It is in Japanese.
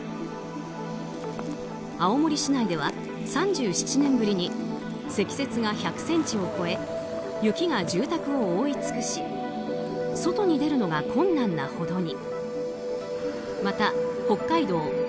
青森市内では３７年ぶりに積雪が１００ｃｍを超え雪が住宅を覆い尽くし外に出るのが困難なほどに。